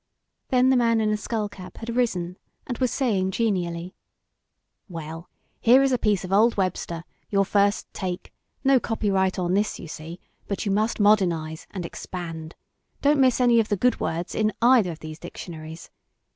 Then the man in the skull cap had risen and was saying genially: "Well, here is a piece of old Webster, your first 'take' no copyright on this, you see, but you must modernise and expand. Don't miss any of the good words in either of these dictionaries.